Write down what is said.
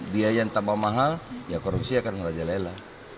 biaya yang tambah mahal ya korupsi akan merajalela